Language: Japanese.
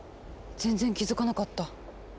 全然気付かなかった。